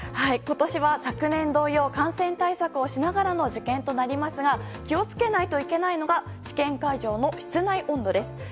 今年は昨年同様感染対策をしながらの受験となりますが気をつけないといけないのが試験会場の室内温度です。